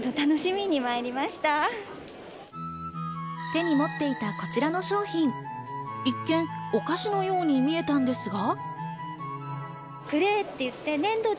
手に持っていたこちらの商品、一見、お菓子のように見えたんですが。